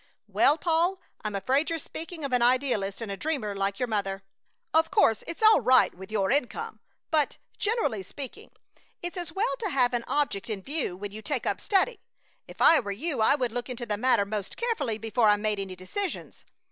"Well, Paul, I'm afraid you're something of an idealist and a dreamer like your mother. Of course it's all right with your income, but, generally speaking, it's as well to have an object in view when you take up study. If I were you I would look into the matter most carefully before I made any decisions.